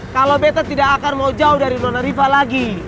kalau better tidak akan mau jauh dari nona riva lagi